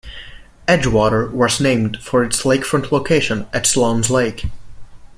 Edgewater was named for its lakefront location at Sloan's Lake.